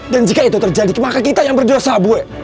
dan jika itu terjadi maka kita yang berdosa buwe